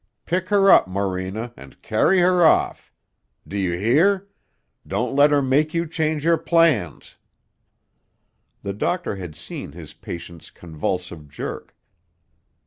Pick her up, Morena, and carry her off. Do you hear? Don't let her make you change your plans." The doctor had seen his patient's convulsive jerk.